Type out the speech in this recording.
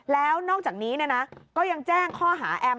แล้วนอกจากนี้ก็ยังแจ้งข้อหาแอม